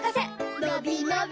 のびのび